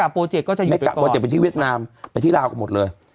โปรเจกต์ไปที่เวียดนามไปที่ลาวก็หมดเลย